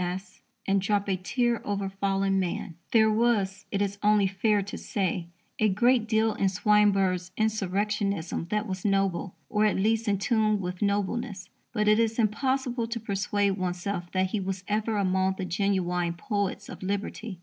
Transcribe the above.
C.S.," and drop a tear over fallen man. There was, it is only fair to say, a great deal in Swinburne's insurrectionism that was noble, or, at least, in tune with nobleness. But it is impossible to persuade oneself that he was ever among the genuine poets of liberty.